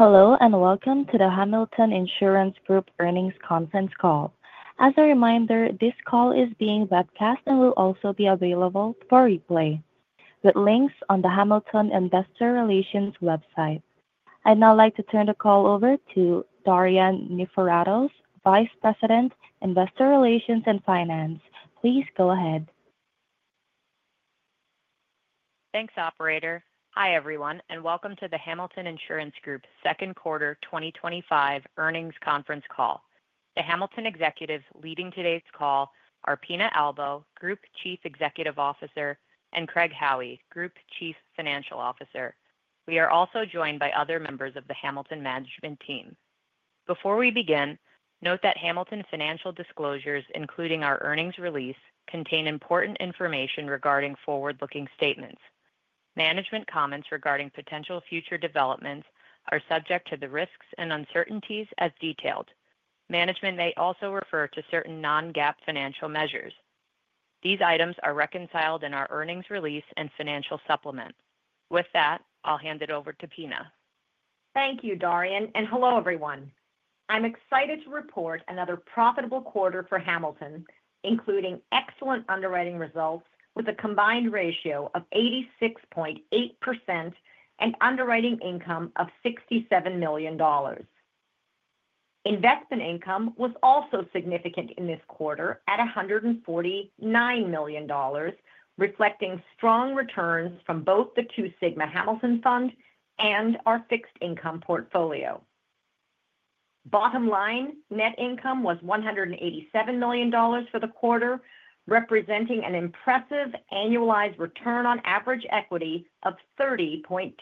Hello, and welcome to the Hamilton Insurance Group Earnings Conference Call. As a reminder, this call is being webcast and will also be available for replay with links on the Hamilton Investor Relations website. I'd now like to turn the call over to Darian Niforatos, Vice President, Investor Relations and Finance. Please go ahead. Thanks, Operator. Hi, everyone, and welcome to the Hamilton Insurance Group's Second Quarter 2025 Earnings Conference Call. The Hamilton executives leading today's call are Pina Albo, Group Chief Executive Officer, and Craig Howie, Group Chief Financial Officer. We are also joined by other members of the Hamilton management team. Before we begin, note that Hamilton financial disclosures, including our earnings release, contain important information regarding forward-looking statements. Management comments regarding potential future developments are subject to the risks and uncertainties as detailed. Management may also refer to certain non-GAAP financial measures. These items are reconciled in our earnings release and financial supplement. With that, I'll hand it over to Pina. Thank you, Darian, and hello, everyone. I'm excited to report another profitable quarter for Hamilton, including excellent underwriting results with a combined ratio of 86.8% and underwriting income of $67 million. Investment income was also significant in this quarter at $149 million, reflecting strong returns from both the Two Sigma Hamilton Fund and our fixed income portfolio. Bottom line, net income was $187 million for the quarter, representing an impressive annualized return on average equity of 30.2%.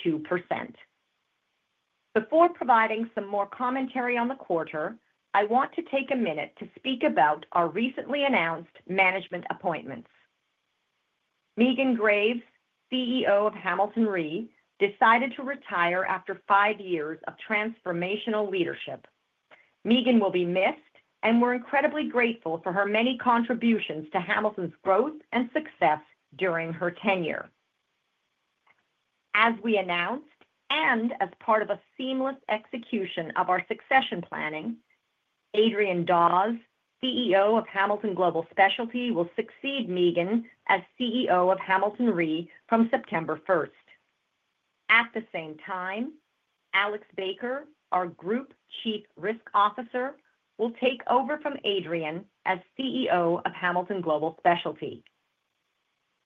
Before providing some more commentary on the quarter, I want to take a minute to speak about our recently announced management appointments. Megan Graves, CEO of Hamilton Re, decided to retire after five years of transformational leadership. Megan will be missed, and we're incredibly grateful for her many contributions to Hamilton's growth and success during her tenure. As we announced, and as part of a seamless execution of our succession planning, Adrian Dawes, CEO of Hamilton Global Specialty, will succeed Megan as CEO of Hamilton Re from September 1st. At the same time, Alex Baker, our Group Chief Risk Officer, will take over from Adrian as CEO of Hamilton Global Specialty.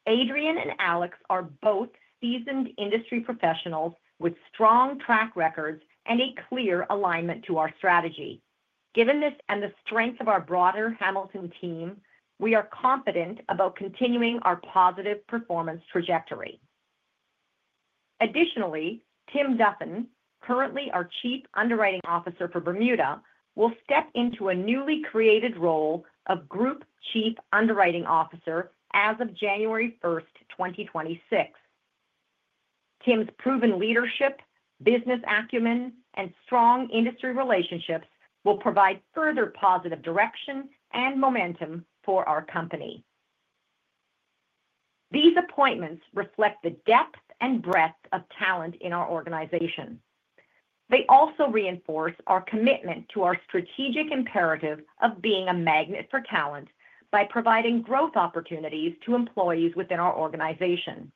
Adrian and Alex are both seasoned industry professionals with strong track records and a clear alignment to our strategy. Given this and the strength of our broader Hamilton Insurance Group team, we are confident about continuing our positive performance trajectory. Additionally, Tim Duffin, currently our Chief Underwriting Officer for Bermuda, will step into a newly created role of Group Chief Underwriting Officer as of January 1st, 2026. Tim's proven leadership, business acumen, and strong industry relationships will provide further positive direction and momentum for our company. These appointments reflect the depth and breadth of talent in our organization. They also reinforce our commitment to our strategic imperative of being a magnet for talent by providing growth opportunities to employees within our organization.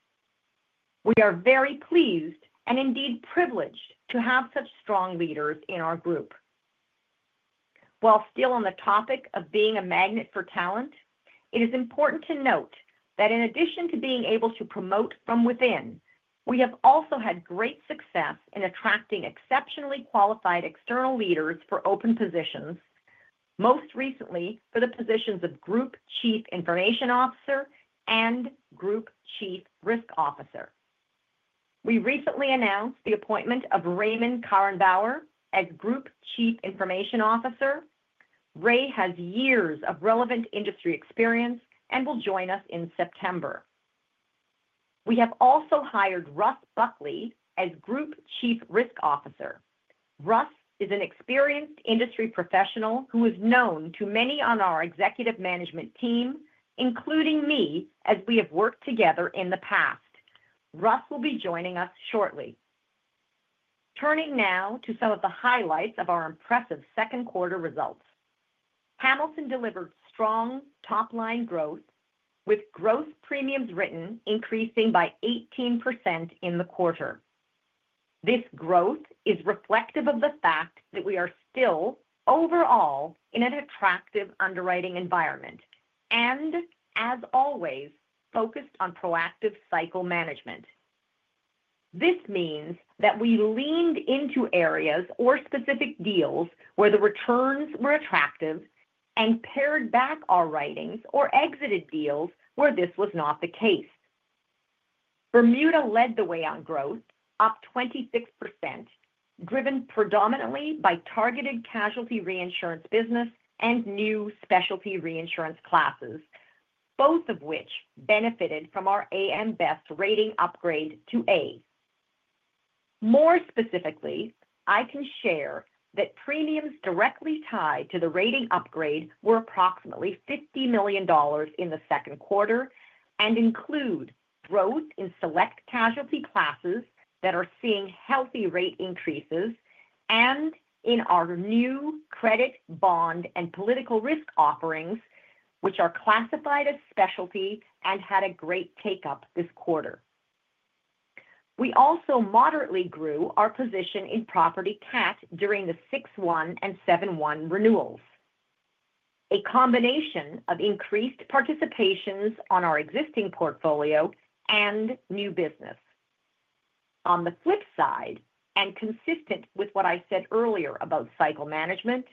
We are very pleased and indeed privileged to have such strong leaders in our group. While still on the topic of being a magnet for talent, it is important to note that in addition to being able to promote from within, we have also had great success in attracting exceptionally qualified external leaders for open positions, most recently for the positions of Group Chief Information Officer and Group Chief Risk Officer. We recently announced the appointment of Raymond Karrenbauer as Group Chief Information Officer. Ray has years of relevant industry experience and will join us in September. We have also hired Russ Buckley as Group Chief Risk Officer. Russ is an experienced industry professional who is known to many on our executive management team, including me, as we have worked together in the past. Russ will be joining us shortly. Turning now to some of the highlights of our impressive second quarter results. Hamilton delivered strong top-line growth, with gross premiums written increasing by 18% in the quarter. This growth is reflective of the fact that we are still overall in an attractive underwriting environment and, as always, focused on proactive cycle management. This means that we leaned into areas or specific deals where the returns were attractive and pared back our writings or exited deals where this was not the case. Bermuda led the way on growth, up 26%, driven predominantly by targeted casualty reinsurance business and new specialty reinsurance classes, both of which benefited from our AM Best rating upgrade to A. More specifically, I can share that premiums directly tied to the rating upgrade were approximately $50 million in the second quarter and include growth in select casualty classes that are seeing healthy rate increases and in our new credit, bond, and political risk offerings, which are classified as specialty and had a great takeup this quarter. We also moderately grew our position in property cap during the 6-1 and 7-1 renewals, a combination of increased participations on our existing portfolio and new business. On the flip side, and consistent with what I said earlier about cycle management,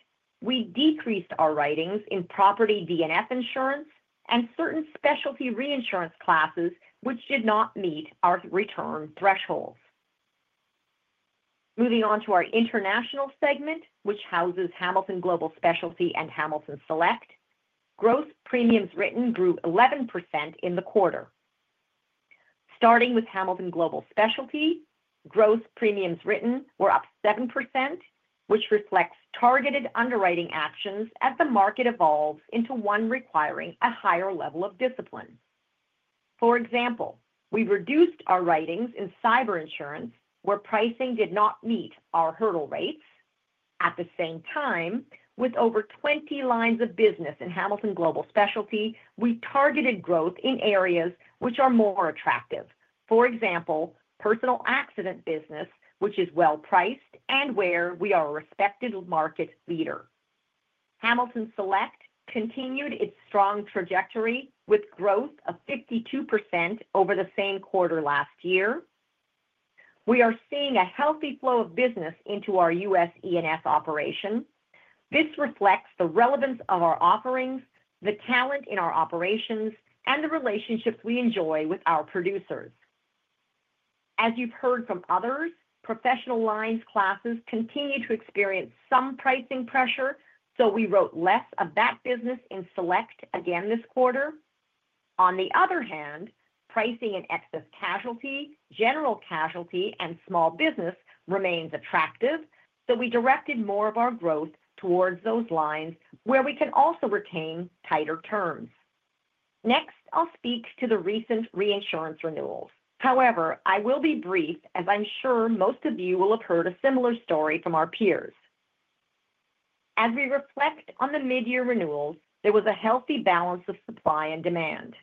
we decreased our writings in property DNF insurance and certain specialty reinsurance classes, which did not meet our return thresholds. Moving on to our international segment, which houses Hamilton Global Specialty and Hamilton Select, gross premiums written grew 11% in the quarter. Starting with Hamilton Global Specialty, gross premiums written were up 7%, which reflects targeted underwriting actions as the market evolves into one requiring a higher level of discipline. For example, we reduced our writings in cyber insurance, where pricing did not meet our hurdle rates. At the same time, with over 20 lines of business in Hamilton Global Specialty, we targeted growth in areas which are more attractive. For example, personal accident business, which is well priced and where we are a respected market leader. Hamilton Select continued its strong trajectory with growth of 52% over the same quarter last year. We are seeing a healthy flow of business into our U.S. E&F operation. This reflects the relevance of our offerings, the talent in our operations, and the relationships we enjoy with our producers. As you've heard from others, professional lines classes continue to experience some pricing pressure, so we wrote less of that business in Select again this quarter. On the other hand, pricing in excess casualty, general casualty, and small business remains attractive, so we directed more of our growth towards those lines where we can also retain tighter terms. Next, I'll speak to the recent reinsurance renewals. However, I will be brief, as I'm sure most of you will have heard a similar story from our peers. As we reflect on the mid-year renewals, there was a healthy balance of supply and demand.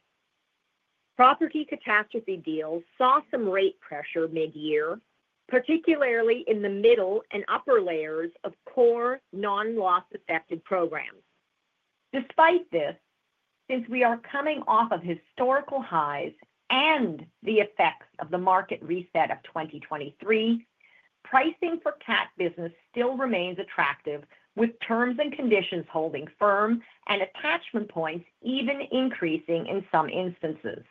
Property catastrophe deals saw some rate pressure mid-year, particularly in the middle and upper layers of core non-loss-affected programs. Despite this, since we are coming off of historical highs and the effects of the market reset of 2023, pricing for CAC business still remains attractive, with terms and conditions holding firm and attachment points even increasing in some instances.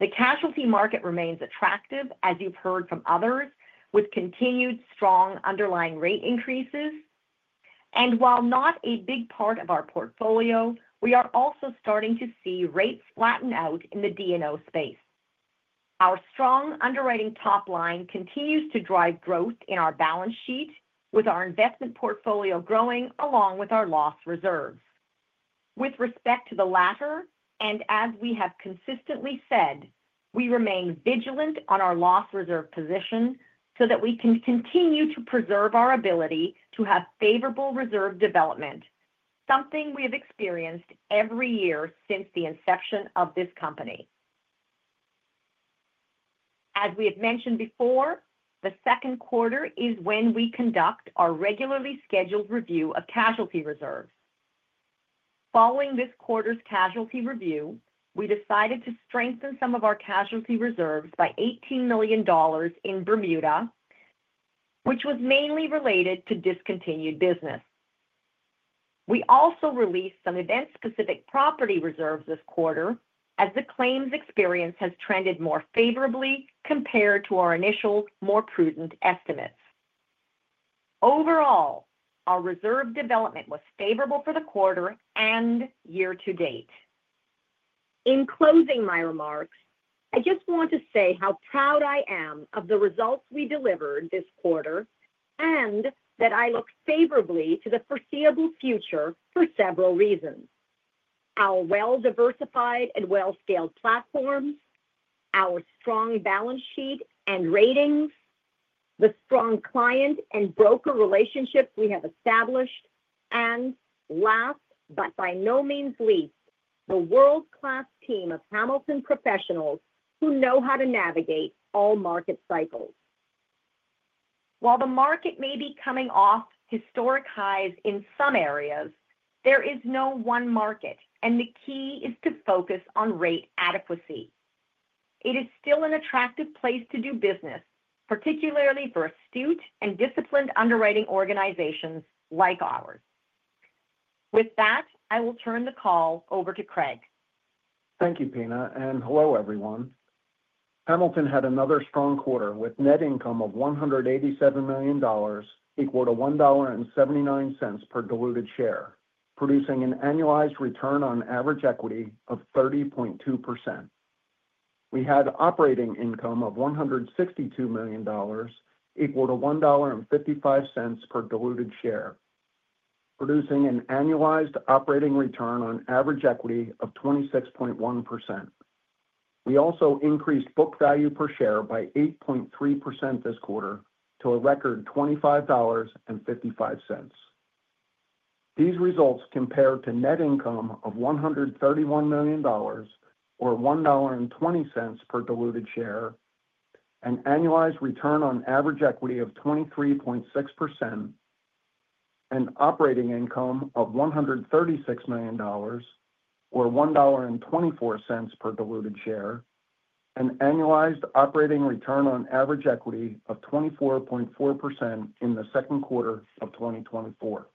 The casualty market remains attractive, as you've heard from others, with continued strong underlying rate increases. While not a big part of our portfolio, we are also starting to see rates flatten out in the D&O space. Our strong underwriting top line continues to drive growth in our balance sheet, with our investment portfolio growing along with our loss reserves. With respect to the latter, and as we have consistently said, we remain vigilant on our loss reserve position so that we can continue to preserve our ability to have favorable reserve development, something we have experienced every year since the inception of this company. As we have mentioned before, the second quarter is when we conduct our regularly scheduled review of casualty reserves. Following this quarter's casualty review, we decided to strengthen some of our casualty reserves by $18 million in Bermuda, which was mainly related to discontinued business. We also released some event-specific property reserves this quarter, as the claims experience has trended more favorably compared to our initial more prudent estimates. Overall, our reserve development was favorable for the quarter and year to date. In closing my remarks, I just want to say how proud I am of the results we delivered this quarter and that I look favorably to the foreseeable future for several reasons. Our well-diversified and well-scaled platform, our strong balance sheet and ratings, the strong client and broker relationships we have established, and last but by no means least, the world-class team of Hamilton professionals who know how to navigate all market cycles. While the market may be coming off historic highs in some areas, there is no one market, and the key is to focus on rate adequacy. It is still an attractive place to do business, particularly for astute and disciplined underwriting organizations like ours. With that, I will turn the call over to Craig. Thank you, Pina, and hello, everyone. Hamilton had another strong quarter with net income of $187 million, equal to $1.79 per diluted share, producing an annualized return on average equity of 30.2%. We had operating income of $162 million, equal to $1.55 per diluted share, producing an annualized operating return on average equity of 26.1%. We also increased book value per share by 8.3% this quarter to a record $25.55. These results compare to net income of $131 million, or $1.20 per diluted share, an annualized return on average equity of 23.6%, and operating income of $136 million, or $1.24 per diluted share, an annualized operating return on average equity of 24.4% in the second quarter of 2024.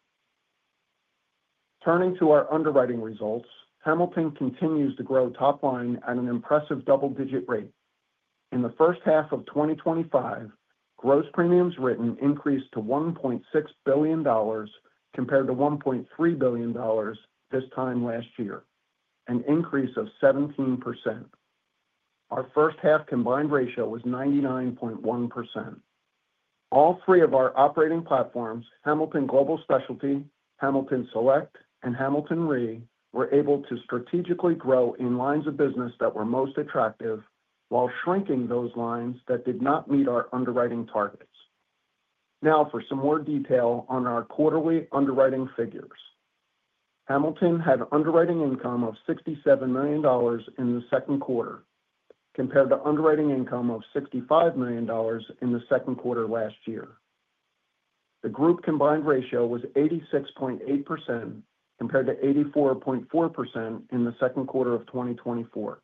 Turning to our underwriting results, Hamilton continues to grow top line at an impressive double-digit rate. In the first half of 2025, gross premiums written increased to $1.6 billion compared to $1.3 billion this time last year, an increase of 17%. Our first half combined ratio was 99.1%. All three of our operating platforms, Hamilton Global Specialty, Hamilton Select, and Hamilton Re, were able to strategically grow in lines of business that were most attractive while shrinking those lines that did not meet our underwriting targets. Now for some more detail on our quarterly underwriting figures. Hamilton had underwriting income of $67 million in the second quarter, compared to underwriting income of $65 million in the second quarter last year. The group combined ratio was 86.8% compared to 84.4% in the second quarter of 2024.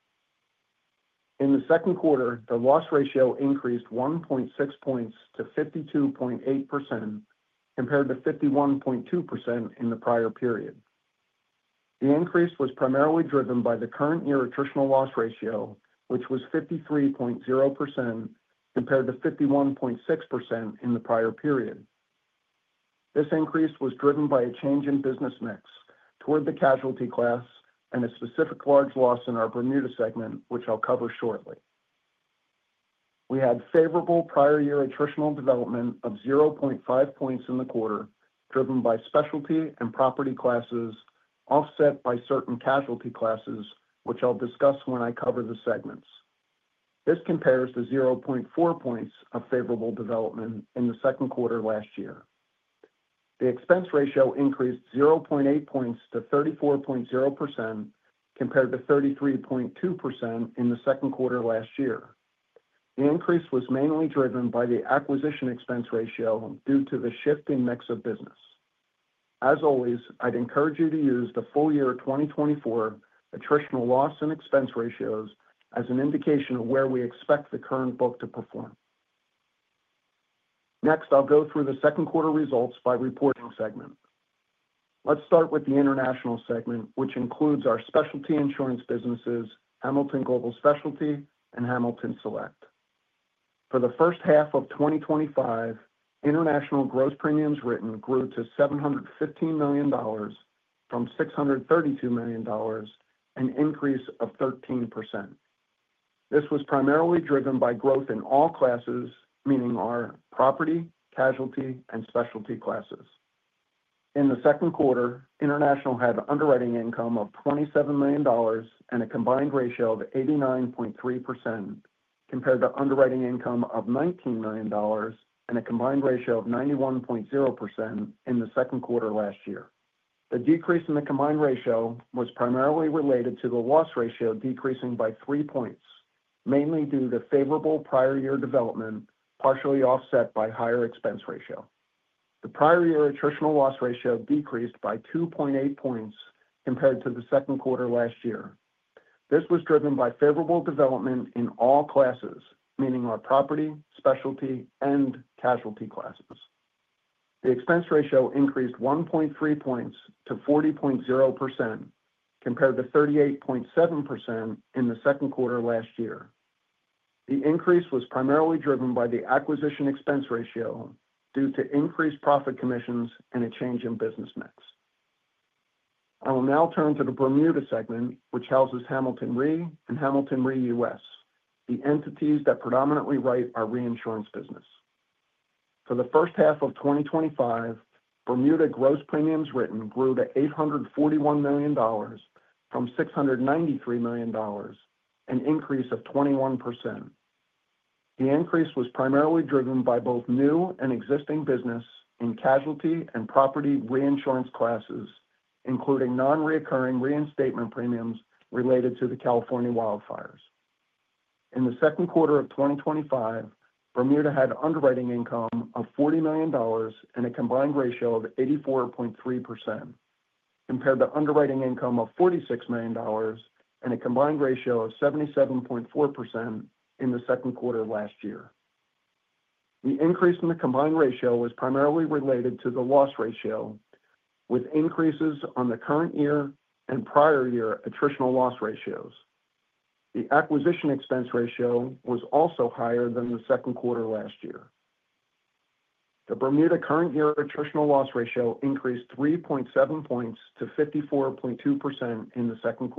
In the second quarter, the loss ratio increased 1.6 points to 52.8% compared to 51.2% in the prior period. The increase was primarily driven by the current year attritional loss ratio, which was 53.0% compared to 51.6% in the prior period. This increase was driven by a change in business mix toward the casualty class and a specific large loss in our Bermuda segment, which I'll cover shortly. We had favorable prior year attritional development of 0.5 points in the quarter, driven by specialty and property classes, offset by certain casualty classes, which I'll discuss when I cover the segments. This compares to 0.4 points of favorable development in the second quarter last year. The expense ratio increased 0.8 points to 34.0% compared to 33.2% in the second quarter last year. The increase was mainly driven by the acquisition expense ratio due to the shifting mix of business. As always, I'd encourage you to use the full year 2024 attritional loss and expense ratios as an indication of where we expect the current book to perform. Next, I'll go through the second quarter results by reporting segment. Let's start with the international segment, which includes our specialty insurance businesses, Hamilton Global Specialty, and Hamilton Select. For the first half of 2025, international gross premiums written grew to $715 million from $632 million, an increase of 13%. This was primarily driven by growth in all classes, meaning our property, casualty, and specialty classes. In the second quarter, international had underwriting income of $27 million and a combined ratio of 89.3% compared to underwriting income of $19 million and a combined ratio of 91.0% in the second quarter last year. The decrease in the combined ratio was primarily related to the loss ratio decreasing by three points, mainly due to the favorable prior year development, partially offset by a higher expense ratio. The prior year attritional loss ratio decreased by 2.8 points compared to the second quarter last year. This was driven by favorable development in all classes, meaning our property, specialty, and casualty classes. The expense ratio increased 1.3 points to 40.0% compared to 38.7% in the second quarter last year. The increase was primarily driven by the acquisition expense ratio due to increased profit commissions and a change in business mix. I will now turn to the Bermuda segment, which houses Hamilton Re and Hamilton Re US, the entities that predominantly write our reinsurance business. For the first half of 2025, Bermuda gross premiums written grew to $841 million from $693 million, an increase of 21%. The increase was primarily driven by both new and existing business in casualty and property reinsurance classes, including non-reoccurring reinstatement premiums related to the California wildfires. In the second quarter of 2025, Bermuda had underwriting income of $40 million and a combined ratio of 84.3% compared to underwriting income of $46 million and a combined ratio of 77.4% in the second quarter last year. The increase in the combined ratio was primarily related to the loss ratio, with increases on the current year and prior year attritional loss ratios. The acquisition expense ratio was also higher than the second quarter last year. The Bermuda current year attritional loss ratio increased 3.7 points to 54.2% in the second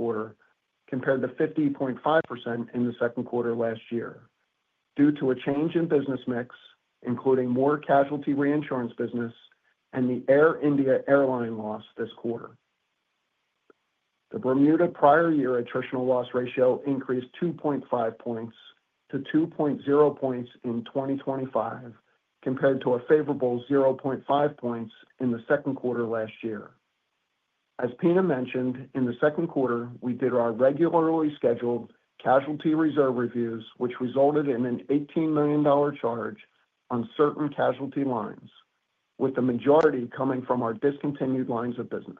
quarter compared to 50.5% in the second quarter last year due to a change in business mix, including more casualty reinsurance business and the Air India Airline loss this quarter. The Bermuda prior year attritional loss ratio increased 2.5 points to 2.0 points in 2025 compared to a favorable 0.5 points in the second quarter last year. As Pina mentioned, in the second quarter, we did our regularly scheduled casualty reserve reviews, which resulted in an $18 million charge on certain casualty lines, with the majority coming from our discontinued lines of business.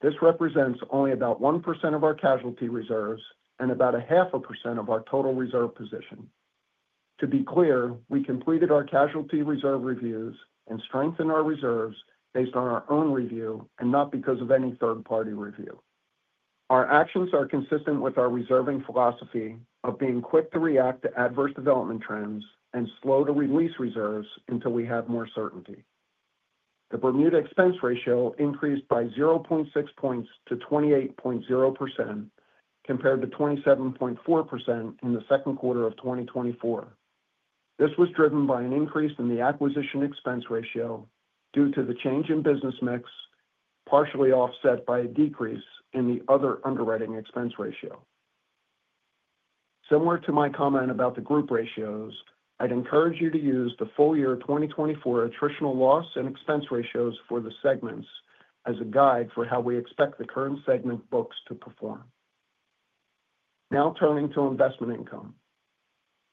This represents only about 1% of our casualty reserves and about a half a percent of our total reserve position. To be clear, we completed our casualty reserve reviews and strengthened our reserves based on our own review and not because of any third-party review. Our actions are consistent with our reserving philosophy of being quick to react to adverse development trends and slow to release reserves until we have more certainty. The Bermuda expense ratio increased by 0.6 points to 28.0% compared to 27.4% in the second quarter of 2024. This was driven by an increase in the acquisition expense ratio due to the change in business mix, partially offset by a decrease in the other underwriting expense ratio. Similar to my comment about the group ratios, I'd encourage you to use the full year 2024 attritional loss and expense ratios for the segments as a guide for how we expect the current segment books to perform. Now turning to investment income.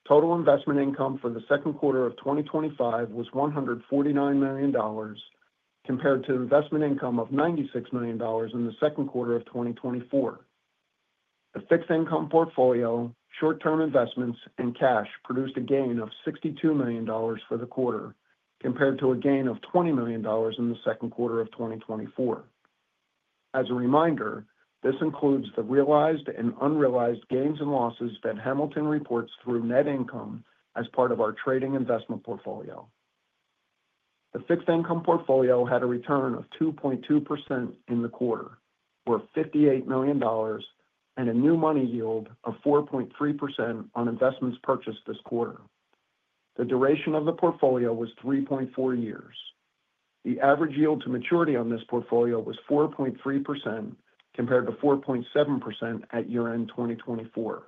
Total investment income for the second quarter of 2025 was $149 million compared to investment income of $96 million in the second quarter of 2024. The fixed income portfolio, short-term investments, and cash produced a gain of $62 million for the quarter compared to a gain of $20 million in the second quarter of 2024. As a reminder, this includes the realized and unrealized gains and losses that Hamilton reports through net income as part of our trading investment portfolio. The fixed income portfolio had a return of 2.2% in the quarter, worth $58 million, and a new money yield of 4.3% on investments purchased this quarter. The duration of the portfolio was 3.4 years. The average yield to maturity on this portfolio was 4.3% compared to 4.7% at year-end 2024.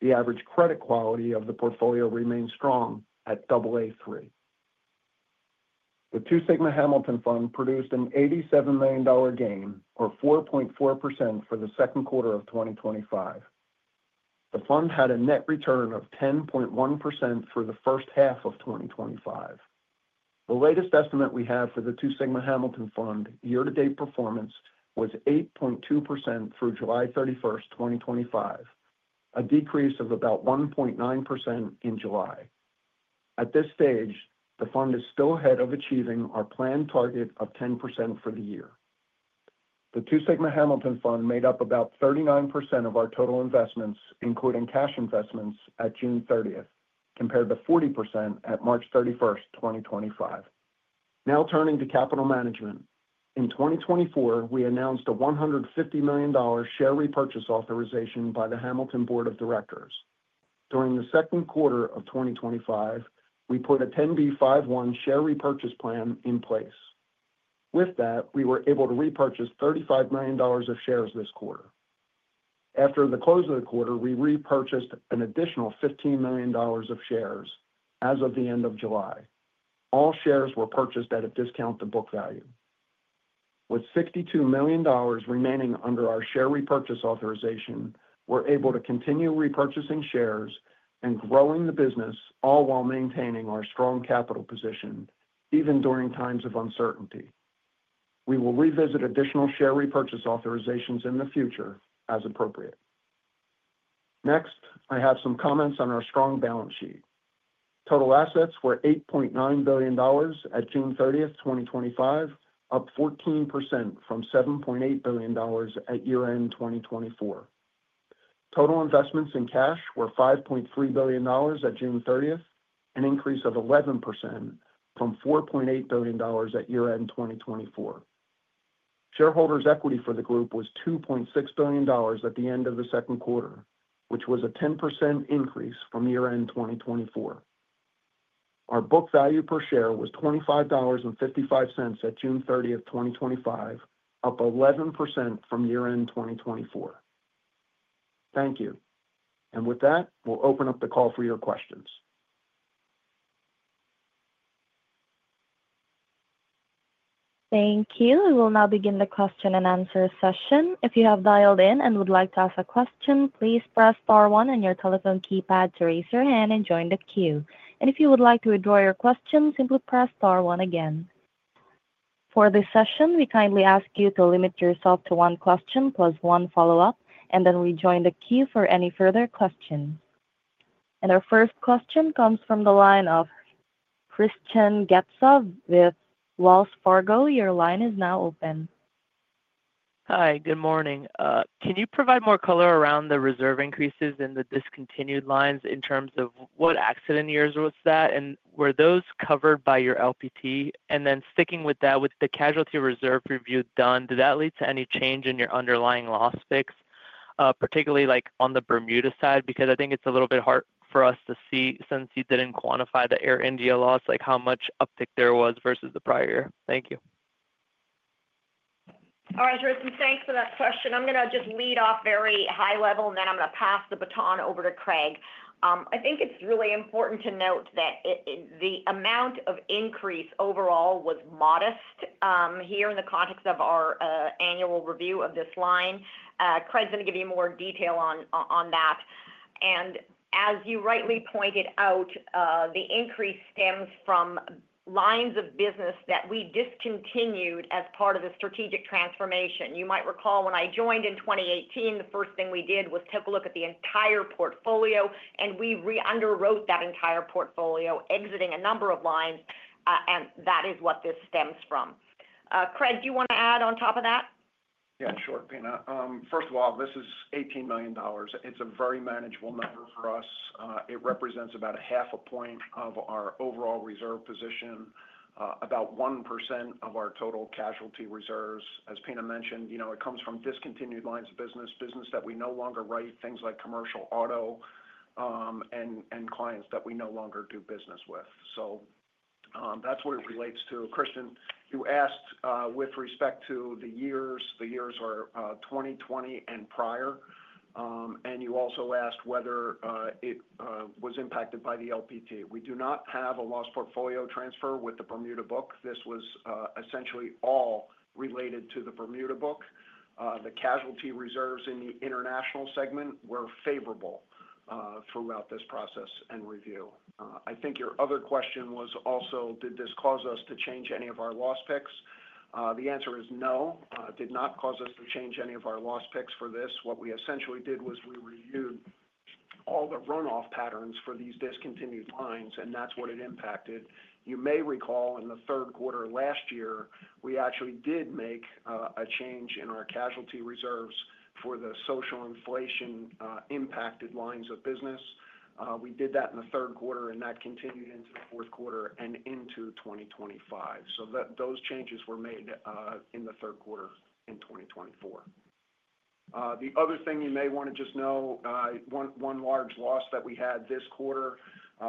The average credit quality of the portfolio remains strong at AA3. The Two Sigma Hamilton Fund produced an $87 million gain, or 4.4% for the second quarter of 2025. The fund had a net return of 10.1% for the first half of 2025. The latest estimate we have for the Two Sigma Hamilton Fund year-to-date performance was 8.2% through July 31st 2025, a decrease of about 1.9% in July. At this stage, the fund is still ahead of achieving our planned target of 10% for the year. The Two Sigma Hamilton Fund made up about 39% of our total investments, including cash investments, at June 30th, compared to 40% at March 31st 2025. Now turning to capital management. In 2024, we announced a $150 million share repurchase authorization by the Hamilton Board of Directors. During the second quarter of 2025, we put a 10b5-1 share repurchase plan in place. With that, we were able to repurchase $35 million of shares this quarter. After the close of the quarter, we repurchased an additional $15 million of shares as of the end of July. All shares were purchased at a discount to book value. With $62 million remaining under our share repurchase authorization, we're able to continue repurchasing shares and growing the business, all while maintaining our strong capital position, even during times of uncertainty. We will revisit additional share repurchase authorizations in the future as appropriate. Next, I have some comments on our strong balance sheet. Total assets were $8.9 billion at June 30th 2025, up 14% from $7.8 billion at year-end 2024. Total investments and cash were $5.3 billion at June 30th an increase of 11% from $4.8 billion at year-end 2024. Shareholders' equity for the group was $2.6 billion at the end of the second quarter, which was a 10% increase from year-end 2024. Our book value per share was $25.55 at June 30th 2025, up 11% from year-end 2024. Thank you. With that, we'll open up the call for your questions. Thank you. We will now begin the question and answer session. If you have dialed in and would like to ask a question, please press star one on your telephone keypad to raise your hand and join the queue. If you would like to withdraw your question, simply press star one again. For this session, we kindly ask you to limit yourself to one question plus one follow-up, and then rejoin the queue for any further questions. Our first question comes from the line of Hristian Getzov with Wells Fargo. Your line is now open. Hi, good morning. Can you provide more color around the reserve increases in the discontinued lines in terms of what accident years was that, and were those covered by your LPT? Sticking with that, with the casualty reserve review done, did that lead to any change in your underlying loss fix, particularly like on the Bermuda side? I think it's a little bit hard for us to see since you didn't quantify the Air India loss, like how much uptick there was versus the prior year. Thank you. All right, Darian, thanks for that question. I'm going to just lead off very high level, and then I'm going to pass the baton over to Craig. I think it's really important to note that the amount of increase overall was modest here in the context of our annual review of this line. Craig's going to give you more detail on that. As you rightly pointed out, the increase stems from lines of business that we discontinued as part of the strategic transformation. You might recall when I joined in 2018, the first thing we did was take a look at the entire portfolio, and we re-underwrote that entire portfolio, exiting a number of lines. That is what this stems from. Craig, do you want to add on top of that? Yeah, in short, Pina. First of all, this is $18 million. It's a very manageable number for us. It represents about a half a point of our overall reserve position, about 1% of our total casualty reserves. As Pina mentioned, it comes from discontinued lines of business, business that we no longer write, things like commercial auto, and clients that we no longer do business with. That's what it relates to. Hristian, you asked with respect to the years. The years were 2020 and prior. You also asked whether it was impacted by the LPT. We do not have a loss portfolio transfer with the Bermuda book. This was essentially all related to the Bermuda book. The casualty reserves in the international segment were favorable throughout this process and review. I think your other question was also, did this cause us to change any of our loss picks? The answer is no. It did not cause us to change any of our loss picks for this. What we essentially did was we reviewed all the runoff patterns for these discontinued lines, and that's what it impacted. You may recall in the third quarter last year, we actually did make a change in our casualty reserves for the social inflation-impacted lines of business. We did that in the third quarter, and that continued into the fourth quarter and into 2025. Those changes were made in the third quarter in 2024. The other thing you may want to just know, one large loss that we had this quarter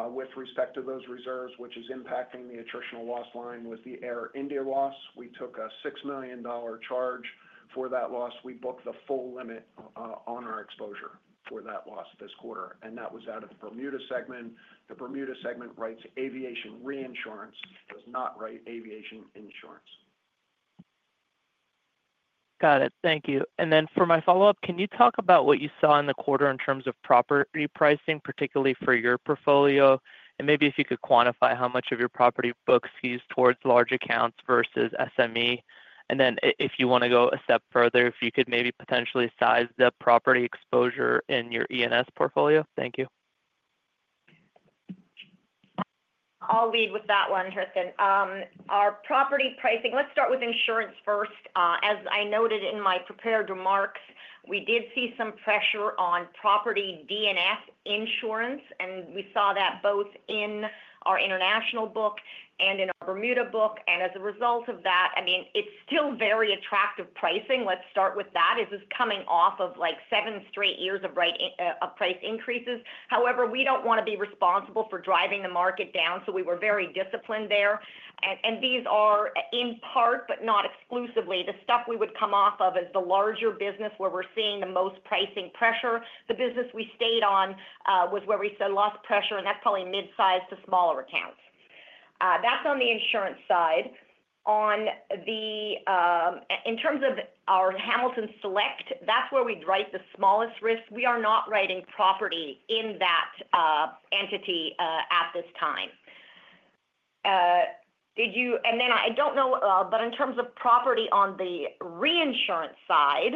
with respect to those reserves, which is impacting the attritional loss line, was the Air India loss. We took a $6 million charge for that loss. We booked the full limit on our exposure for that loss this quarter, and that was out of the Bermuda segment. The Bermuda segment writes aviation reinsurance. It does not write aviation insurance. Got it. Thank you. For my follow-up, can you talk about what you saw in the quarter in terms of property pricing, particularly for your portfolio? Maybe if you could quantify how much of your property books are used towards large accounts versus SME? If you want to go a step further, if you could maybe potentially size the property exposure in your E&S portfolio. Thank you. I'll lead with that one, Christian. Our property pricing, let's start with insurance first. As I noted in my prepared remarks, we did see some pressure on property D&F insurance, and we saw that both in our international book and in our Bermuda book. As a result of that, it's still very attractive pricing. Let's start with that. This is coming off of like seven straight years of price increases. However, we don't want to be responsible for driving the market down, so we were very disciplined there. These are in part, but not exclusively, the stuff we would come off of as the larger business where we're seeing the most pricing pressure. The business we stayed on was where we saw less pressure, and that's probably mid-size to smaller accounts. That's on the insurance side. In terms of our Hamilton Select, that's where we'd write the smallest risk. We are not writing property in that entity at this time. I don't know, but in terms of property on the reinsurance side,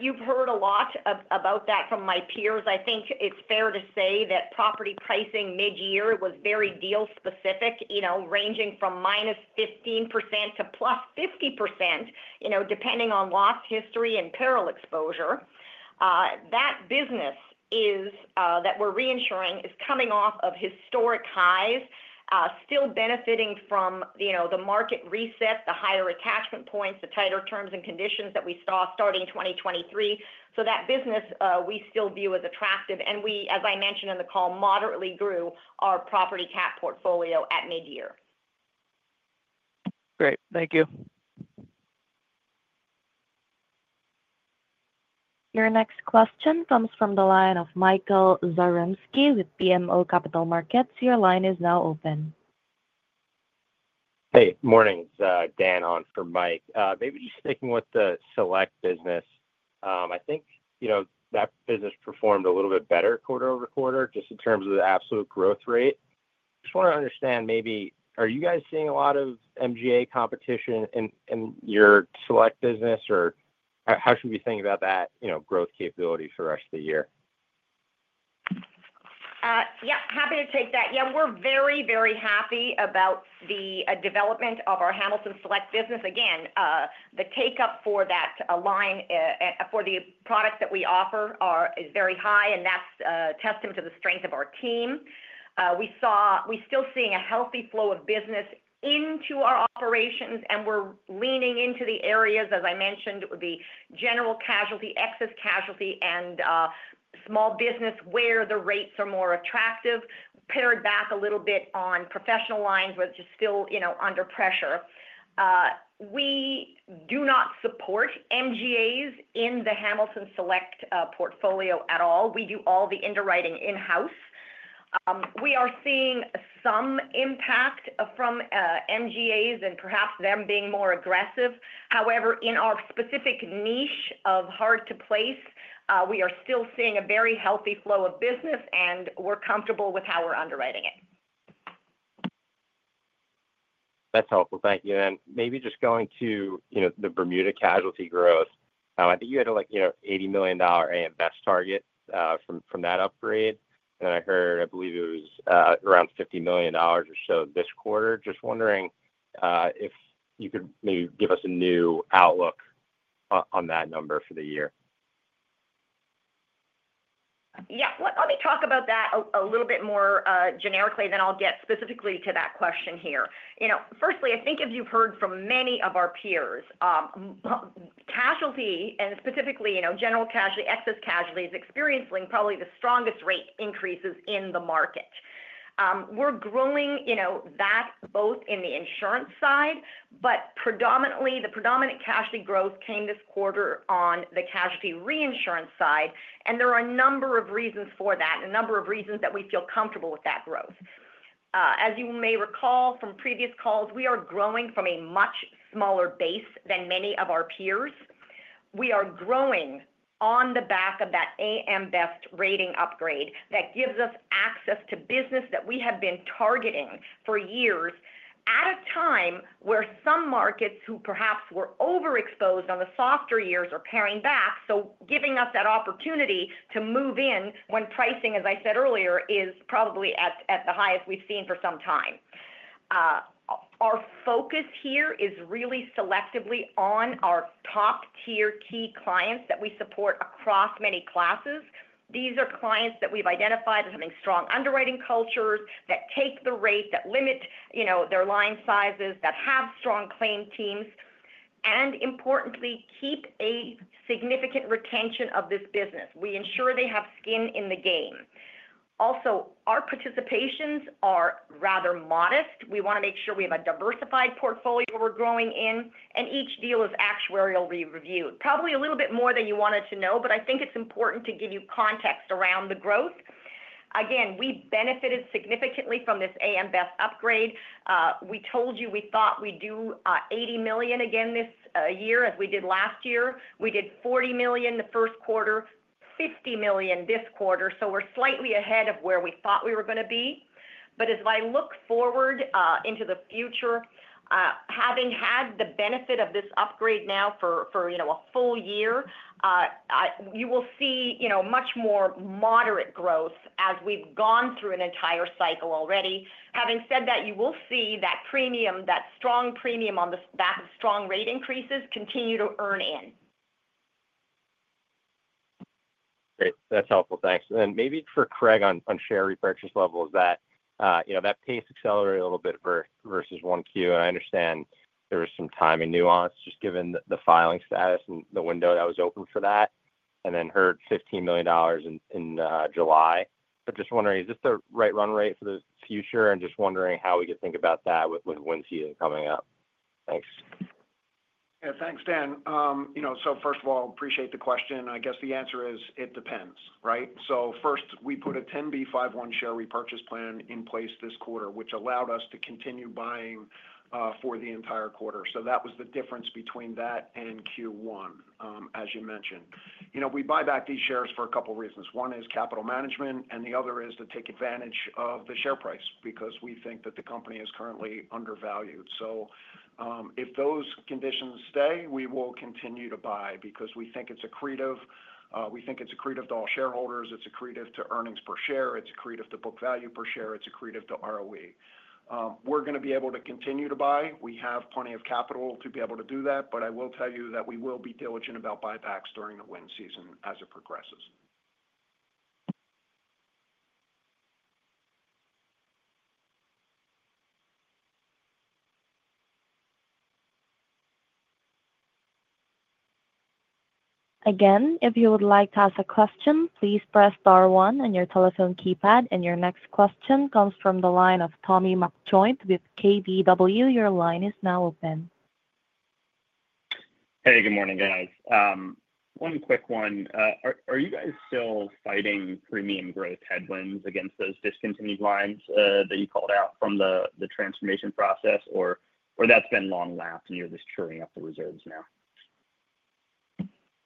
you've heard a lot about that from my peers. I think it's fair to say that property pricing mid-year was very deal-specific, ranging from -15% to +50%, depending on loss history and peril exposure. That business that we're reinsuring is coming off of historic highs, still benefiting from the market reset, the higher attachment points, the tighter terms and conditions that we saw starting in 2023. That business we still view as attractive. As I mentioned in the call, we moderately grew our property CAC portfolio at mid-year. Great, thank you. Your next question comes from the line of Michael Zaremski with BMO Capital Markets. Your line is now open. Hey, good morning. It's Dan on for Mike. Maybe just sticking with the Select business. I think that business performed a little bit better quarter over quarter, just in terms of the absolute growth rate. I just want to understand, maybe, are you guys seeing a lot of MGA competition in your Select business, or how should we be thinking about that growth capability for the rest of the year? Yeah, happy to take that. We're very, very happy about the development of our Hamilton Select business. Again, the takeup for that line for the products that we offer is very high, and that's a testament to the strength of our team. We're still seeing a healthy flow of business into our operations, and we're leaning into the areas, as I mentioned, the general casualty, excess casualty, and small business where the rates are more attractive, paired back a little bit on professional lines where it's just still, you know, under pressure. We do not support MGAs in the Hamilton Select portfolio at all. We do all the underwriting in-house. We are seeing some impact from MGAs and perhaps them being more aggressive. However, in our specific niche of hard-to-place, we are still seeing a very healthy flow of business, and we're comfortable with how we're underwriting it. That's helpful. Thank you. Maybe just going to the Bermuda casualty growth, I think you had a $80 million AM Best target from that upgrade. I heard, I believe it was around $50 million or so this quarter. Just wondering if you could maybe give us a new outlook on that number for the year. Let me talk about that a little bit more generically, then I'll get specifically to that question here. Firstly, I think as you've heard from many of our peers, casualty and specifically, general casualty, excess casualty is experiencing probably the strongest rate increases in the market. We're growing that both in the insurance side, but predominantly, the predominant casualty growth came this quarter on the casualty reinsurance side. There are a number of reasons for that and a number of reasons that we feel comfortable with that growth. As you may recall from previous calls, we are growing from a much smaller base than many of our peers. We are growing on the back of that AM Best rating upgrade that gives us access to business that we have been targeting for years at a time where some markets who perhaps were overexposed on the softer years are paring back. This gives us that opportunity to move in when pricing, as I said earlier, is probably at the highest we've seen for some time. Our focus here is really selectively on our top-tier key clients that we support across many classes. These are clients that we've identified as having strong underwriting cultures that take the rate, that limit their line sizes, that have strong claim teams, and importantly, keep a significant retention of this business. We ensure they have skin in the game. Also, our participations are rather modest. We want to make sure we have a diversified portfolio we're growing in, and each deal is actuarially reviewed. Probably a little bit more than you wanted to know, but I think it's important to give you context around the growth. Again, we benefited significantly from this AM Best upgrade. We told you we thought we'd do $80 million again this year as we did last year. We did $40 million the first quarter, $50 million this quarter. We're slightly ahead of where we thought we were going to be. As I look forward into the future, having had the benefit of this upgrade now for a full year, you will see much more moderate growth as we've gone through an entire cycle already. Having said that, you will see that premium, that strong premium on those strong rate increases continue to earn in. That's helpful. Thanks. Maybe for Craig on share repurchases levels, that pace accelerated a little bit versus Q1. I understand there was some timing and nuance just given the filing status and the window that was open for that. I heard $15 million in July. Just wondering, is this the right run rate for the future? Just wondering how we could think about that with wind season coming up. Thanks. Yeah, thanks, Dan. First of all, I appreciate the question. I guess the answer is it depends, right? First, we put a 10b5-1 share repurchase plan in place this quarter, which allowed us to continue buying for the entire quarter. That was the difference between that and Q1, as you mentioned. We buy back these shares for a couple of reasons. One is capital management, and the other is to take advantage of the share price because we think that the company is currently undervalued. If those conditions stay, we will continue to buy because we think it's accretive. We think it's accretive to all shareholders. It's accretive to earnings per share. It's accretive to book value per share. It's accretive to ROE. We're going to be able to continue to buy. We have plenty of capital to be able to do that. I will tell you that we will be diligent about buybacks during the wind season as it progresses. Again, if you would like to ask a question, please press star one on your telephone keypad. Your next question comes from the line of Thomas Mcjoynt with KBW. Your line is now open. Hey, good morning, guys. One quick one. Are you guys still fighting premium growth headwinds against those discontinued lines that you called out from the transformation process, or that's been long lapsed and you're just chewing up the reserves now?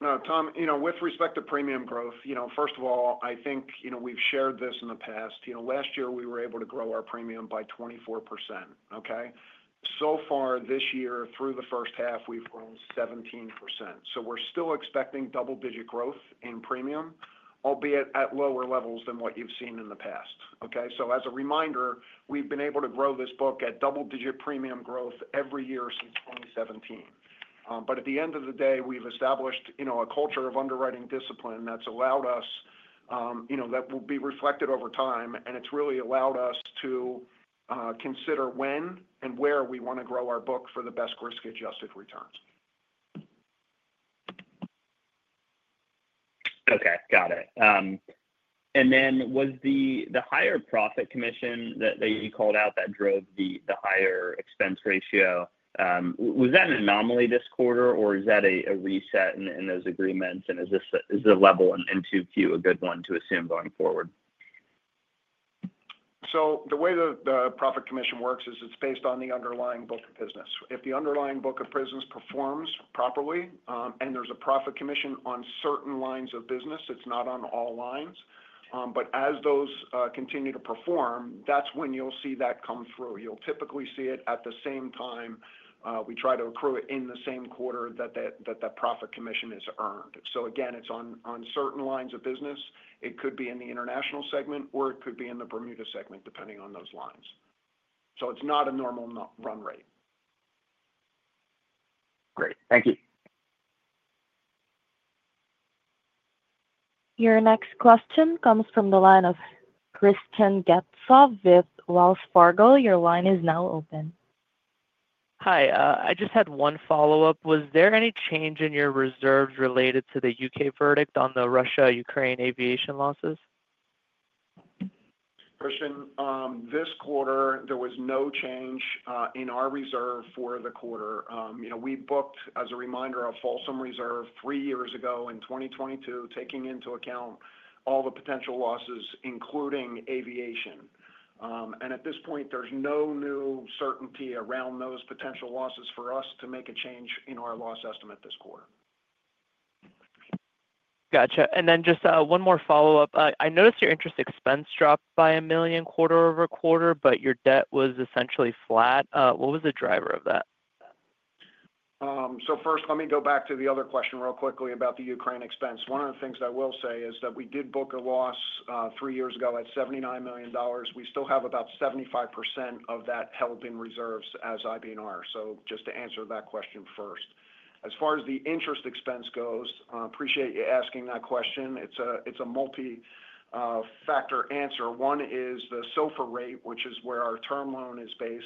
Tom, with respect to premium growth, first of all, I think we've shared this in the past. Last year we were able to grow our premium by 24%. So far this year, through the first half, we've grown 17%. We're still expecting double-digit growth in premium, albeit at lower levels than what you've seen in the past. As a reminder, we've been able to grow this book at double-digit premium growth every year since 2017. At the end of the day, we've established a culture of underwriting discipline that's allowed us, that will be reflected over time. It's really allowed us to consider when and where we want to grow our book for the best risk-adjusted returns. Okay, got it. Was the higher profit commission that you called out that drove the higher expense ratio an anomaly this quarter, or is that a reset in those agreements? Is the level in 2Q a good one to assume going forward? The way that the profit commission works is it's based on the underlying book of business. If the underlying book of business performs properly, and there's a profit commission on certain lines of business, it's not on all lines. As those continue to perform, that's when you'll see that come through. You'll typically see it at the same time. We try to accrue it in the same quarter that that profit commission is earned. Again, it's on certain lines of business. It could be in the international segment, or it could be in the Bermuda segment, depending on those lines. It's not a normal run rate. Great, thank you. Your next question comes from the line of Hristian Getzov with Wells Fargo. Your line is now open. Hi, I just had one follow-up. Was there any change in your reserves related to the U.K. verdict on the Russia-Ukraine aviation losses? Christian, this quarter, there was no change in our reserve for the quarter. We booked, as a reminder, a fulsome reserve three years ago in 2022, taking into account all the potential losses, including aviation. At this point, there's no new certainty around those potential losses for us to make a change in our loss estimate this quarter. Gotcha. Just one more follow-up. I noticed your interest expense dropped by $1 million quarter over quarter, but your debt was essentially flat. What was the driver of that? First, let me go back to the other question real quickly about the Ukraine expense. One of the things I will say is that we did book a loss three years ago at $79 million. We still have about 75% of that held in reserves as IB&R. Just to answer that question first. As far as the interest expense goes, I appreciate you asking that question. It's a multi-factor answer. One is the SOFR rate, which is where our term loan is based,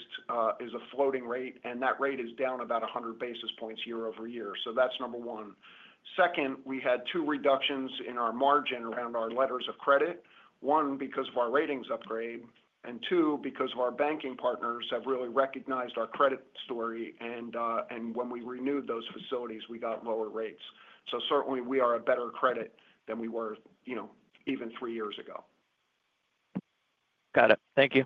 is a floating rate, and that rate is down about 100 basis points year-over-year. That's number one. Second, we had two reductions in our margin around our letters of credit, one because of our ratings upgrade and two because our banking partners have really recognized our credit story. When we renewed those facilities, we got lower rates. Certainly, we are a better credit than we were, you know, even three years ago. Got it. Thank you.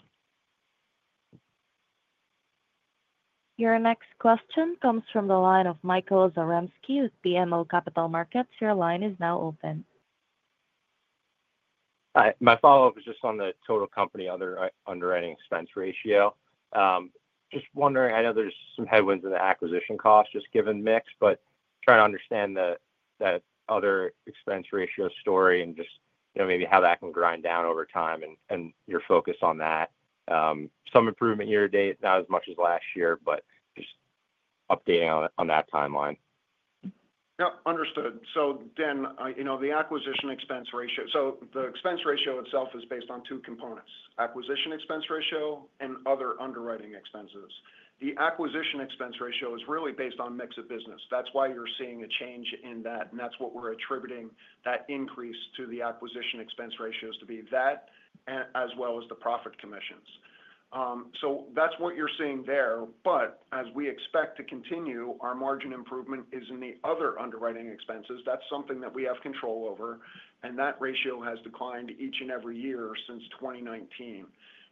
Your next question comes from the line of Michael Zaremski with BMO Capital Markets. Your line is now open. My follow-up is just on the total company underwriting expense ratio. Just wondering, I know there's some headwinds in the acquisition cost just given the mix, but trying to understand the other expense ratio story and maybe how that can grind down over time and your focus on that. Some improvement year to date, not as much as last year, but just updating on that timeline. Yeah, understood. The acquisition expense ratio, the expense ratio itself is based on two components: acquisition expense ratio and other underwriting expenses. The acquisition expense ratio is really based on mix of business. That's why you're seeing a change in that. That's what we're attributing that increase to, the acquisition expense ratios, as well as the profit commissions. That's what you're seeing there. As we expect to continue, our margin improvement is in the other underwriting expenses. That's something that we have control over, and that ratio has declined each and every year since 2019.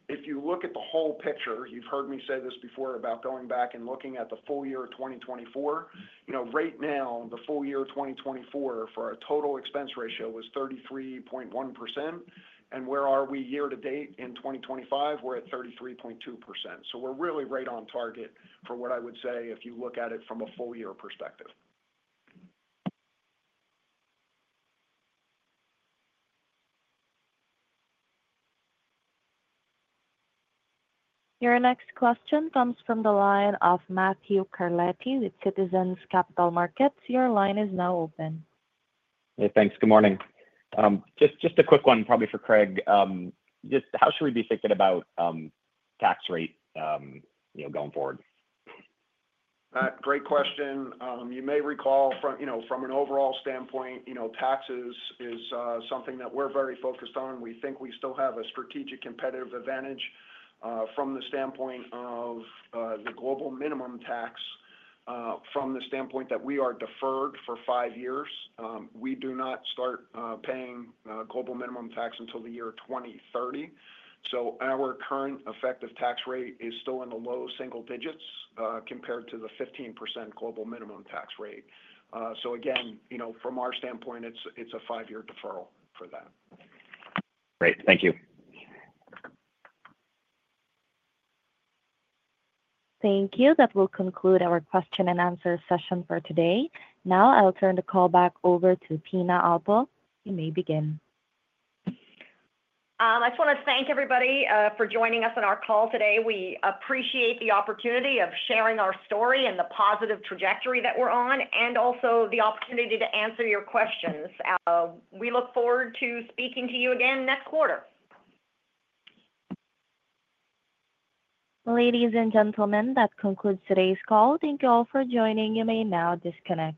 If you look at the whole picture, you've heard me say this before about going back and looking at the full year of 2024. Right now, the full year of 2024 for a total expense ratio was 33.1%. Where are we year to date in 2025? We're at 33.2%. We're really right on target for what I would say if you look at it from a full year perspective. Your next question comes from the line of Matthew Carletti with Citizens Capital Markets. Your line is now open. Hey, thanks. Good morning. Just a quick one, probably for Craig. Just how should we be thinking about tax rate going forward? Great question. You may recall from an overall standpoint, taxes is something that we're very focused on. We think we still have a strategic competitive advantage from the standpoint of the global minimum tax, from the standpoint that we are deferred for five years. We do not start paying global minimum tax until the year 2030. Our current effective tax rate is still in the low single digits compared to the 15% global minimum tax rate. From our standpoint, it's a five-year deferral for that. Great, thank you. Thank you. That will conclude our question and answer session for today. Now I'll turn the call back over to Pina Albo. You may begin. I just want to thank everybody for joining us on our call today. We appreciate the opportunity of sharing our story and the positive trajectory that we're on, and also the opportunity to answer your questions. We look forward to speaking to you again next quarter. Ladies and gentlemen, that concludes today's call. Thank you all for joining. You may now disconnect.